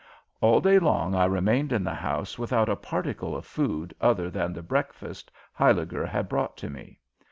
All day long I remained in the house without a particle of food other than the breakfast Huyliger had brought to me.